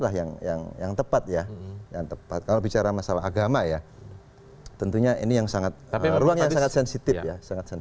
lah yang yang yang tepat ya yang tepat kalau bicara masalah agama ya tentunya ini yang sangat